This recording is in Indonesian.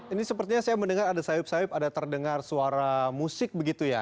ini sepertinya saya mendengar ada sayup sayup ada terdengar suara musik begitu ya